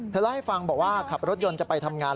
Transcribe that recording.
เล่าให้ฟังบอกว่าขับรถยนต์จะไปทำงาน